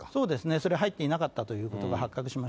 それ、入っていなかったということが発覚しまし